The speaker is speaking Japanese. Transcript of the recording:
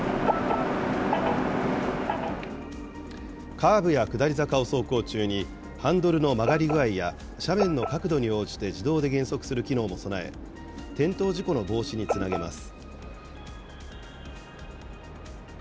カーブや下り坂を走行中に、ハンドルの曲がり具合や斜面の角度に応じて自動で減速する機能も備え、転倒事故の防止につなげます。